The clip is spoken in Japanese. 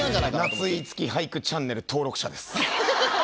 「夏井いつき俳句チャンネル」登録者です。